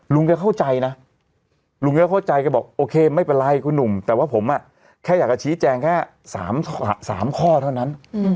แกเข้าใจนะลุงแกเข้าใจแกบอกโอเคไม่เป็นไรคุณหนุ่มแต่ว่าผมแค่อยากจะชี้แจงแค่๓ข้อเท่านั้น